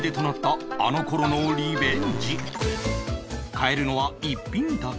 買えるのは一品だけ